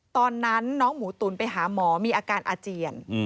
ตอนนั้นน้องหมูตุ๋นไปหาหมอมีอาการอาเจียน